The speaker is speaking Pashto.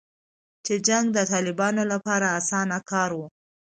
چې جنګ د طالبانو لپاره اسانه کار و